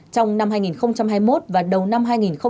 trong năm hai nghìn hai mươi một và đầu năm hai nghìn hai mươi